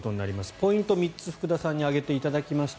ポイント３つ、福田さんに挙げていただきました。